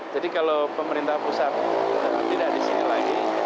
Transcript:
jadi kalau pemerintah pusat tidak di sini lagi